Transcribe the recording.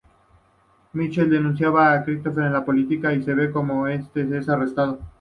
Michel denuncia a Christophe a la policía y ve cómo este es arrestado.